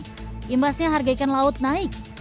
imbasnya harga ikan laut naik